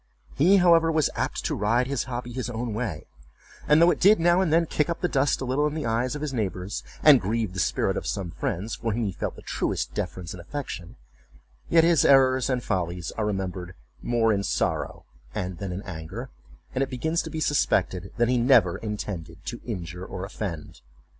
He, however, was apt to ride his hobby his own way; and though it did now and then kick up the dust a little in the eyes of his neighbors, and grieve the spirit of some friends, for whom he felt the truest deference and affection; yet his errors and follies are remembered "more in sorrow than in anger," and it begins to be suspected, that he never intended to injure or offend.